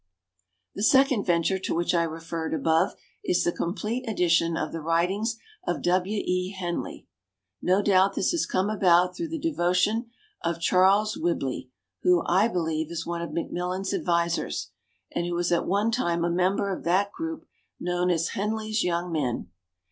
« The second venture to which I re ferred above is the complete edition of the writings of W. E. Henley. No doubt this has come about through the devotion of Charles Whibley, who, I believe, is one of Macmillans' advisers, and who was at one time a member of that group known as "Henley's Young Men".